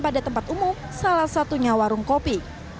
pada tempat umum salah satunya warung kopi